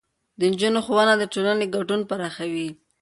د نجونو ښوونه د ټولنې ګډون پراخوي.